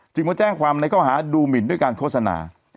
มาแจ้งความในข้อหาดูหมินด้วยการโฆษณา